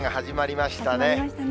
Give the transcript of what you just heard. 始まりましたね。